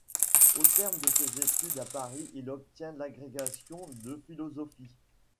Au terme de ses études à Paris, il obtient l'agrégation de philosophie.